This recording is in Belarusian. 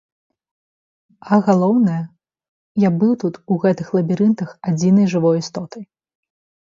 А галоўнае, я быў тут, у гэтых лабірынтах, адзінай жывой істотай.